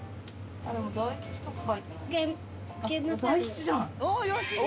あ、でも、大吉とか書いてある。